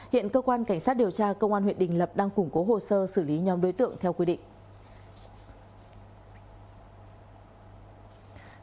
hiện cơ quan cảnh sát điều tra công an huyện đình lập đang củng cố hồ sơ xử lý nhóm đối tượng theo quy định